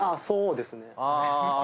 そうですね。